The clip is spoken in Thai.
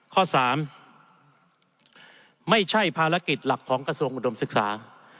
ข้อ๓ไม่ใช่ภารกิจหลักของกระทรวงอุดมศึกษา